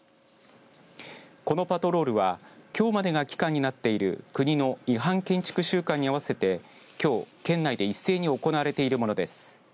このパトロールはきょうまでが期間になっている国の違反建築週間に合わせてきょう、県内で一斉に行われているものです。